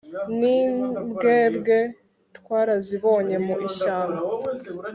n’imbwebwe twarazibonye mu ishyamba